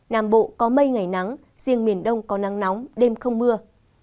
nam bộ có mây ngày nắng riêng miền đông có nắng nóng đêm không mưa